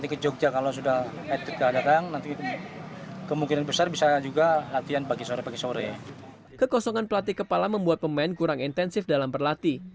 kekosongan pelatih kepala membuat pemain kurang intensif dalam berlatih